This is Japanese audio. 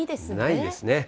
ないですね。